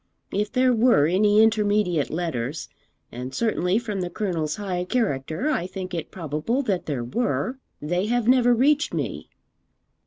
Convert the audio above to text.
If there were any intermediate letters, and certainly from the Colonel's high character I think it probable that there were, they have never reached me.'